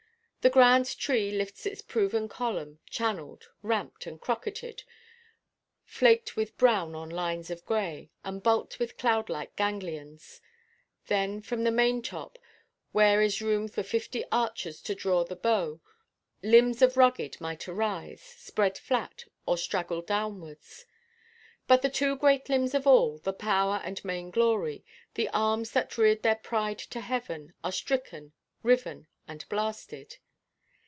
The grand tree lifts its proven column, channeled, ramped, and crocketed, flaked with brown on lines of grey, and bulked with cloudlike ganglions. Then from the maintop, where is room for fifty archers to draw the bow, limbs of rugged might arise, spread flat, or straggle downwards. But the two great limbs of all, the power and main glory, the arms that reared their pride to heaven, are stricken, riven, and blasted.